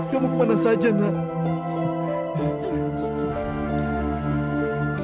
kamu dimana saja nak